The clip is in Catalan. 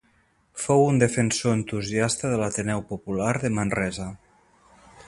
Fou un defensor entusiasta de l'Ateneu Popular de Manresa.